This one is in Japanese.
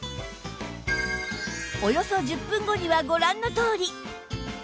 およそ１０分後にはご覧のとおり